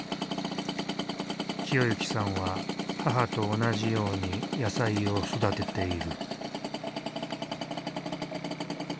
清幸さんは母と同じように野菜を育てている。